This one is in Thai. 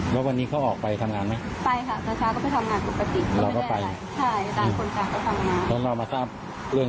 เราได้คุยกับเค้าไม่รู้ว่าเกิดอะไรขึ้น